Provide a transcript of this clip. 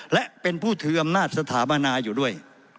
และเป็นผู้ถืออำนาจสถาปนาอยู่ด้วย